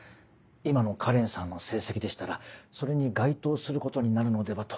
今の花恋さんの成績でしたらそれに該当することになるのではと。